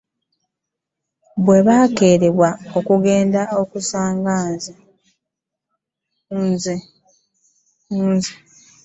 Bwebukeerera ngenda ku beera nga ngenze .